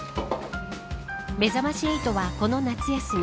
めざまし８はこの夏休み